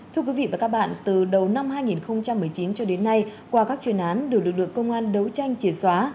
thưa quý vị và các bạn từ đầu năm hai nghìn một mươi chín cho đến nay qua các chuyên án được lực lượng công an đấu tranh triệt xóa